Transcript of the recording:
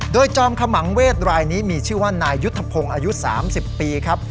โดยจอมขมังเวศรายนี้มีชื่อว่านายยุทธพงศ์อายุ๓๐ปีครับ